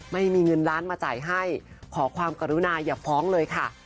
ไม่มีเงินล้านมาจ่ายให้ขอความกรุณาอย่าฟ้องเลยค่ะ